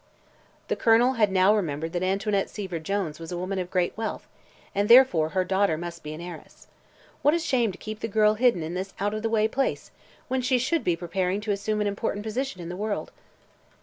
The Colonel had now remembered that Antoinette Seaver Jones was a woman of great wealth, and therefore her daughter must be an heiress. What a shame to keep the girl hidden in this out of the way place, when she should be preparing to assume an important position in the world.